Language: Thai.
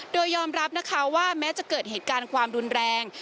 โดยยอมรับนะคะว่าแม้จะเกิดเหตุการณ์ความรุนแรง